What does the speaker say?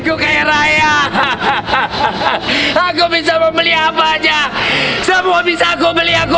kyuhyun kaya raya hahaha stressful sampai disamping craig typical